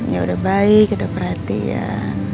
ya udah baik udah perhatian